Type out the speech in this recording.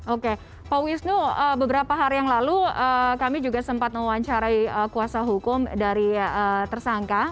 oke pak wisnu beberapa hari yang lalu kami juga sempat mewawancarai kuasa hukum dari tersangka